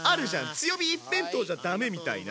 強火一辺倒じゃダメみたいな。